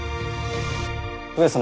・上様。